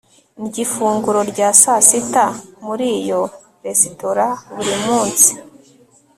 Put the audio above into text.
Ndya ifunguro rya saa sita muri iyo resitora buri munsi